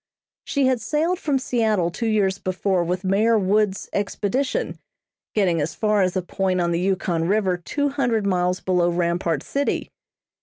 She had sailed from Seattle two years before with Mayor Woods' expedition, getting as far as a point on the Yukon River two hundred miles below Rampart City.